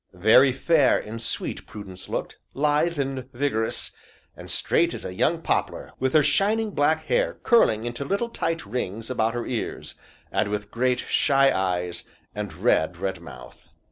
Very fair and sweet Prudence looked, lithe and vigorous, and straight as a young poplar, with her shining black hair curling into little tight rings about her ears, and with great, shy eyes, and red, red mouth.